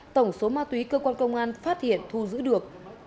tổng số ma túy cơ quan công an phát hiện thu giữ được